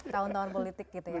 tahun tahun politik gitu ya